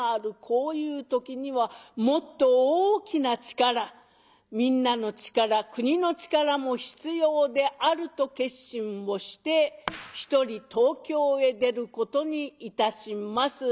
こういう時にはもっと大きな力みんなの力国の力も必要である」と決心をして一人東京へ出ることにいたします。